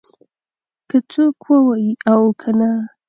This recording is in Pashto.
که څوک ووايي او که نه.